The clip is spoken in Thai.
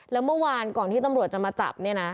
แล้วเมื่อวานก่อนที่ตำรวจจะมาจับเนี่ยนะ